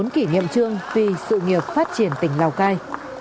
một mươi bốn kỷ niệm trương vì sự nghiệp phát triển tỉnh lào cai